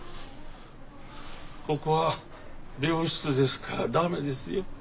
ここは病室ですから駄目ですよ。